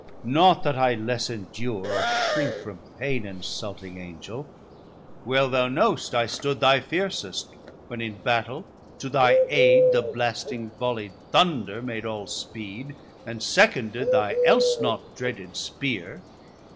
Not that I less endure, or shrink from pain, Insulting Angel, well thou knowst I stood Thy fiercest, when in Battel to thy aide The blasting volied Thunder made all speed And seconded thy else not dreaded Spear.